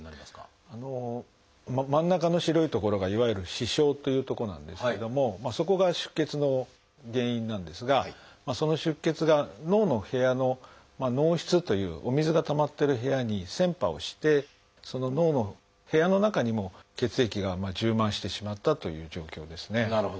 真ん中の白い所がいわゆる「視床」という所なんですけどもそこが出血の原因なんですがその出血が脳の部屋の「脳室」というお水がたまってる部屋に穿破をしてその脳の部屋の中にも血液が充満してしまったという状況ですね。